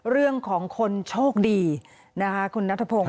เรื่องของคนโชคดีนะคะคุณนัทพงศ